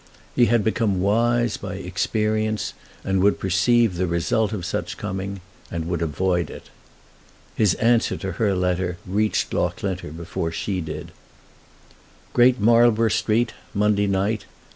He had become wise by experience, and would perceive the result of such coming, and would avoid it. His answer to her letter reached Loughlinter before she did: Great Marlborough Street, Monday night.